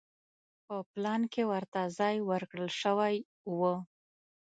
په پلان کې ورته ځای ورکړل شوی و.